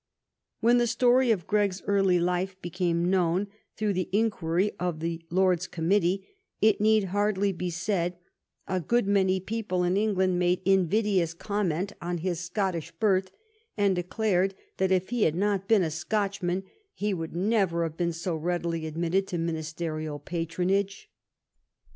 When the story of Gregg's early life became known through the inquiry of the Lords' committee, it need hardly be said that a good many people in England made invidious comment on his Scottish birth, and declared that if he had not been a Scotchman he would never have been so readily admitted to minis terial patronage.